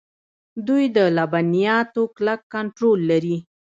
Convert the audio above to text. دوی د لبنیاتو کلک کنټرول لري.